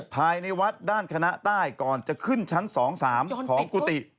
ภายในวัดด้านคณะใต้ก่อนจะขึ้นชั้น๒๓ของกุฏิ